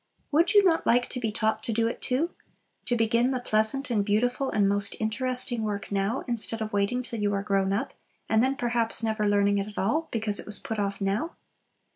Would you not like to be taught to do it too? to begin the pleasant and beautiful and most interesting work now, instead of waiting till you are grown up, and then perhaps never learning it at all, because it was put off now?